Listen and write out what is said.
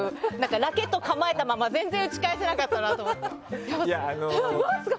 ラケット構えたまま全然打ち返せなかったなと思って。